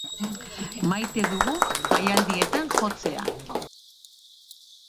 Maite dugu jaialdietan jotzea.